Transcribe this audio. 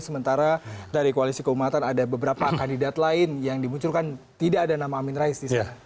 sementara dari koalisi keumatan ada beberapa kandidat lain yang dimunculkan tidak ada nama amin rais di sana